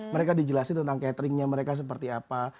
mereka dijelasin tentang cateringnya mereka seperti apa